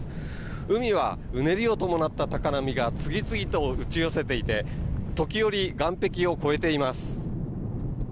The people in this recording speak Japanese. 海はうねりを伴った高波が次々と打ち寄せていて時折、岸壁を越えています。